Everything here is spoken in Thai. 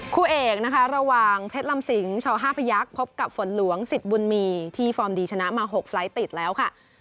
คู่เอกนะคะระหว่างเพชรลำสิงช๕พยักษ์พบกับฝนหลวงสิทธิ์บุญมีที่ฟอร์มดีชนะมา๖ไฟล์ทติดแล้วค่ะ